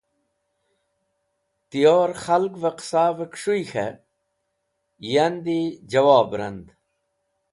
Tiyor Khalgve Qasahe Kus̃huy k̃he yandi Jawob rand